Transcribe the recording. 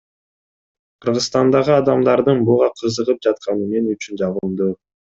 Кыргызстандагы адамдардын буга кызыгып жатканы мен үчүн жагымдуу.